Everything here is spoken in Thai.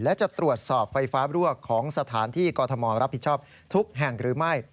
และจะตรวจสอบไฟฟ้ารั่วของสถานที่กรทมรับผิดชอบทุกแห่งหรือไม่